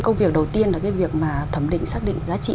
công việc đầu tiên là cái việc mà thẩm định xác định giá trị